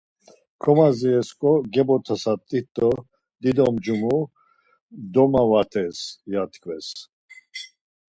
Komadziresǩon gebotasat̆it do dido ncumu domavat̆es ya tkves.